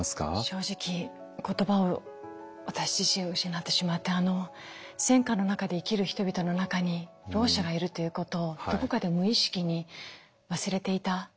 正直言葉を私自身失ってしまって戦禍の中で生きる人々の中にろう者がいるということをどこかで無意識に忘れていた。